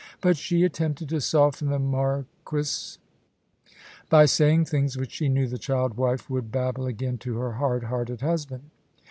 But she attempted to soften the Marquis by saying things which she knew the child wife would babble again to her hard hearted husband.